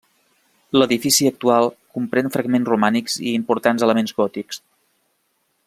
L'edifici actual comprèn fragments romànics i importants elements gòtics.